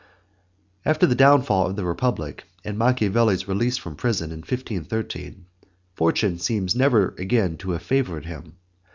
After the downfall of the Republic and Machiavelli's release from prison in 1513, fortune seems never again to have favoured him.